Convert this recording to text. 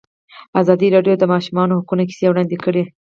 ازادي راډیو د د ماشومانو حقونه کیسې وړاندې کړي.